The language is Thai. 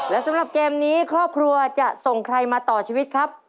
และสำหรับเกมนี้ครอบครัวจะส่งใครมาต่อชีวิตครับ